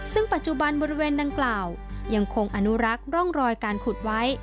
ซึ่งปัจจุบันบริเวณดังกล่าวยังคงอนุรักษ์ร่องรอยการขุดไว้